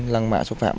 lăng mạ xúc phạm